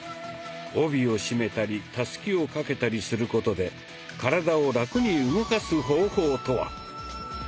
帯を締めたりたすきを掛けたりすることで体をラクに動かす方法とは！